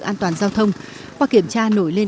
an toàn giao thông qua kiểm tra nổi lên